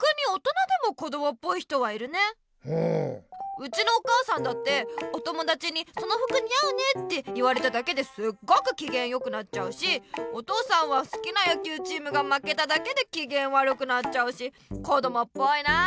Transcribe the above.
うちのお母さんだってお友だちに「そのふくにあうね」って言われただけですっごくきげんよくなっちゃうしお父さんはすきなやきゅうチームがまけただけできげんわるくなっちゃうしこどもっぽいなって思うよ。